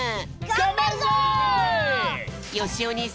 がんばるぞ！